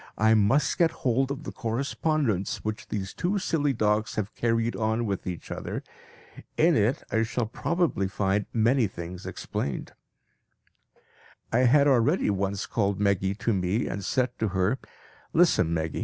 I must get hold of the correspondence which these two silly dogs have carried on with each other. In it I shall probably find many things explained." I had already once called Meggy to me and said to her, "Listen, Meggy!